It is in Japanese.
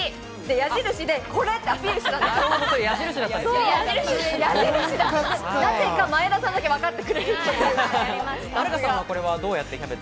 矢印でこれ！ってアピールしていたんです。